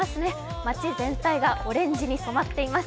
街全体がオレンジに染まっています。